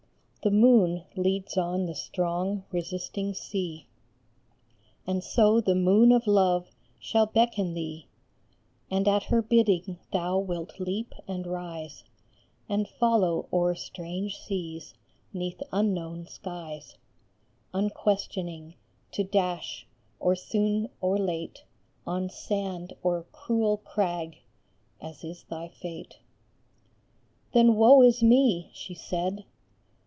The moon leads on the strong, resisting sea ; And so the moon of love shall beckon thee, And at her bidding thou wilt leap and rise, And follow o er strange seas, neath unknown skies, Unquestioning ; to dash, or soon or late, On sand or cruel crag, as is thy fate. 22 REPLY. " Then woe is me !" she said.